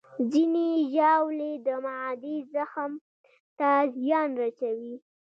ځینې ژاولې د معدې زخم ته زیان رسوي.